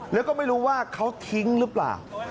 แล้วก็ไม่รู้ว่าเขาทิ้งหรือเปล่า